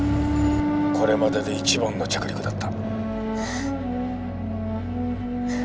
これまでで一番の着陸だった。